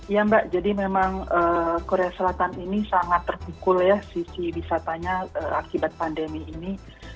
ya mbak jadi memang korea selatan ini sangat terpukul ya sisi wisatanya akibat pandemi ini